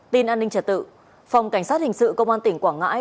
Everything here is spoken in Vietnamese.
tin an ninh trật tự phòng cảnh sát hình sự công an tỉnh quảng ngãi